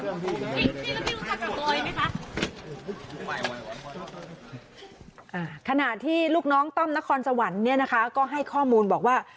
ขณะที่ลูกน้องต้อมนครสวรรค์เนี่ยนะคะก็ให้ข้อมูลบอกว่า